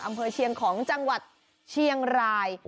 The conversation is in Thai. อำเภอเชียงของจังหวัดเชียงราย